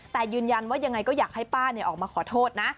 แต่ยืนยันว่ายังไงก็อยากให้ป้าออกมาขอโทษนะ